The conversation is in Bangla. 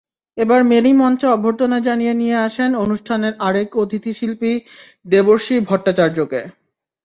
এবার মেরি মঞ্চে অভ্যর্থনা জানিয়ে নিয়ে আসেন অনুষ্ঠানের আরেক অতিথি শিল্পী দেবর্ষী ভট্টাচার্যকে।